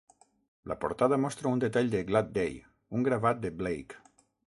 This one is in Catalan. La portada mostra un detall de "Glad Day", un gravat de Blake.